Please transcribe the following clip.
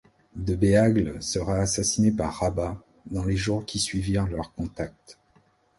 De Béhagle sera assassiné par Rabah dans les jours qui suivirent leur contact.